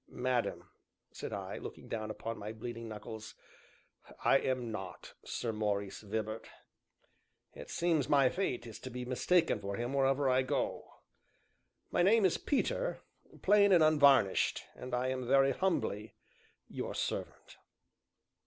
"Madam," said I, looking down upon my bleeding knuckles, "I am not Sir Maurice Vibart. It seems my fate to be mistaken for him wherever I go. My name is Peter, plain and unvarnished, and I am very humbly your servant."